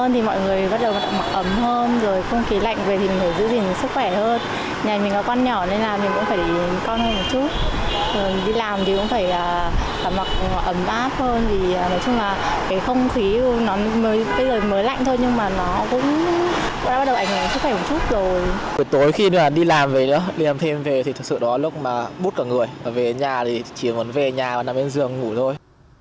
về nhà thì chỉ muốn về nhà và nằm bên giường ngủ thôi